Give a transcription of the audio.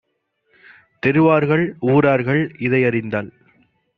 தெருவார்கள் ஊரார்கள் இதையறிந்தால்